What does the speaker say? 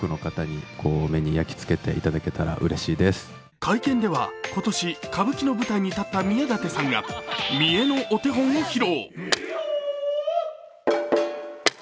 会見では今年、歌舞伎の舞台に立った宮舘さんが見得のお手本を披露。